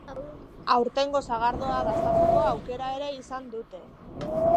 Aurtengo sagardoa daztatzeko aukera ere izan dute.